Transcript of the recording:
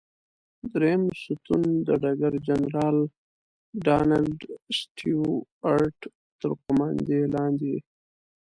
دریم ستون د ډګر جنرال ډانلډ سټیوارټ تر قوماندې لاندې.